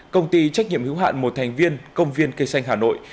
công ty trách nhiệm hữu hạn một thành viên công viên cây xanh hà nội